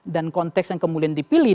dan konteks yang kemudian dipilih